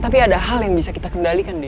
tapi ada hal yang bisa kita kendalikan nih